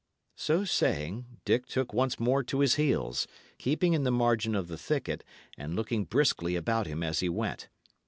So saying, Dick took once more to his heels, keeping in the margin of the thicket and looking briskly about him as he went.